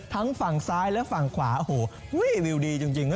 ทั้งฝั่งซ้ายและฝั่งขวาโอ้โหอุ้ยวิวดีจริงนะ